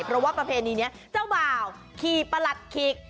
เพราะว่าประเพณีนี้เจ้าบ่าวขี่ประหลัดขีก